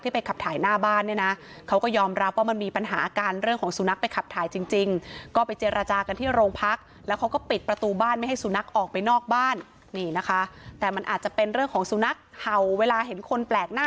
ที่ไปขับถ่ายหน้าบ้านเนี่ยนะเขาก็ยอมรับว่ามันมีปัญหาการ